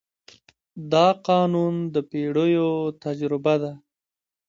دا قانون د پېړیو تجربه ده.